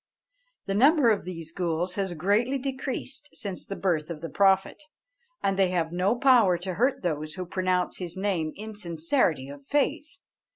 The number of these ghools has greatly decreased since the birth of the Prophet, and they have no power to hurt those who pronounce his name in sincerity of faith.